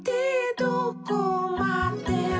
「どこまでも」